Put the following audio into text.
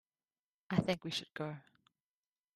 I think we should go.